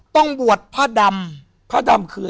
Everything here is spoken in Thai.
ต้องบวชผ้าดำ